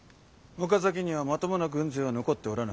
岡崎にはまともな軍勢は残っておらぬはず。